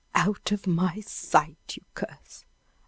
"Out of my sight, you curse!